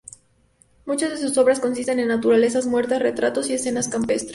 Muchas de sus obras consisten en naturalezas muertas, retratos y escenas campestres.